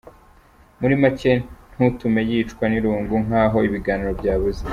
Muri make ntutume yicwa n’ irungu nk’ aho ibiganiro byabuze.